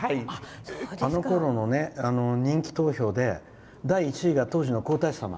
あのころの人気投票で第１位が当時の皇太子さま。